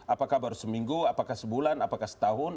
apakah baru seminggu apakah sebulan apakah setahun